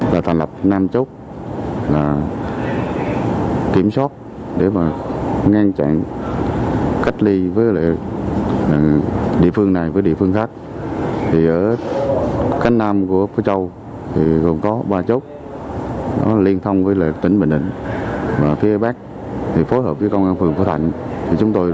là thành lập năm chốt kiểm soát để ngăn chặn cách ly